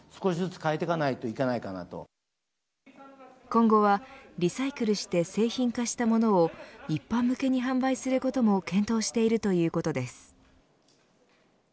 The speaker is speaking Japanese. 今後はリサイクルして製品化したものを一般向けに販売することも検討しているということです。